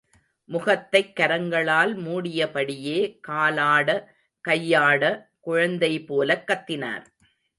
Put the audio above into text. முகத்தைக் கரங்களால் மூடியபடியே காலாட, கையாட குழந்தைபோலக் கத்தினார்.